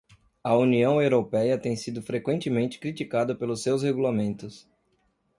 A União Europeia tem sido frequentemente criticada pelos seus regulamentos.